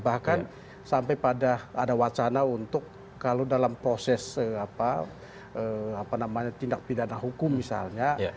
bahkan sampai pada ada wacana untuk kalau dalam proses tindak pidana hukum misalnya